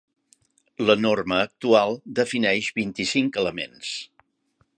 La norma actual defineix vint-i-cinc elements.